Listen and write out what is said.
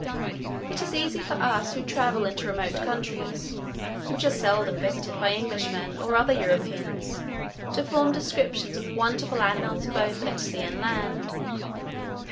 It is easy for us who travel into remote countries, which are seldom visited by Englishmen or other Europeans, to form descriptions of wonderful animals both at sea and land.